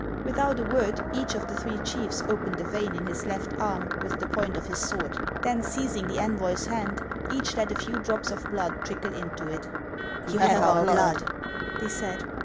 Without a word each of the three chiefs opened a vein in his left arm with the point of his sword ; then, seizing the envoy's hand, each let a few drops of blood trickle into it. " You have our blood," they said.